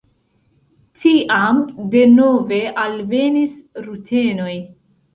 Tiam denove alvenis rutenoj.